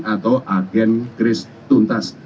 atau agen kris tuntas